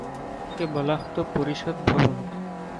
একে বলা হতো ‘পরিষদ ভবন’।